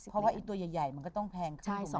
เพราะว่าไอ้ตัวใหญ่มันก็ต้องแพงขึ้น